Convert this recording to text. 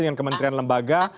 dengan kementerian lembaga